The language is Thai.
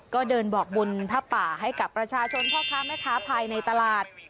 ก็เดินบอกบุญผ้าป่าให้กับประชาชนพ่อค้าแม่ค้าภายในตลาด